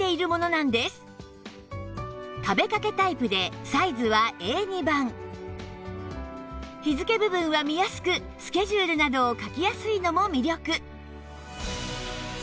壁掛けタイプでサイズは Ａ２ 版日付部分は見やすくスケジュールなどを書きやすいのも魅力